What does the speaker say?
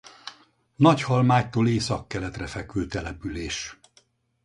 Nagyhalmágytól északkeletre fekvő település.